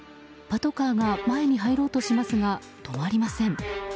パトカーが前に入ろうとしますが止まりません。